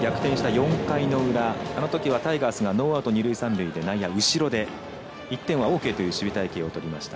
４回の裏あのときはタイガースがノーアウト、二塁三塁で内野後ろで１点はＯＫという守備隊形をとりました。